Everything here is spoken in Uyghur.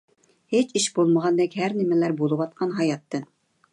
ھېچ ئىش بولمىغاندەك ھەر نىمىلەر بولىۋاتقان ھاياتتىن.